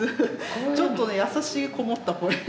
ちょっとね優しいこもった声。